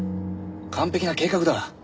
完璧な計画だ。